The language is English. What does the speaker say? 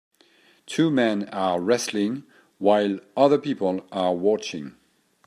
Two men are wrestling while other people are watching